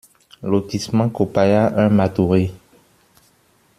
Lotissement Copaya un, Matoury